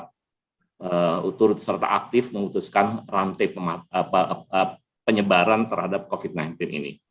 kita turut serta aktif memutuskan rantai penyebaran terhadap covid sembilan belas ini